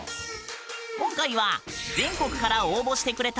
今回は全国から応募してくれた